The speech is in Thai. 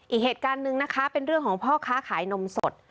อีกเหตุการณ์หนึ่งนะคะเป็นเรื่องของพ่อค้าขายนมสด